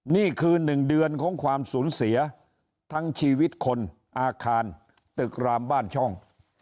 นี่คือ๑เดือนของความสูญเสียทั้งชีวิตคนอาคารตึกรามบ้านช่อง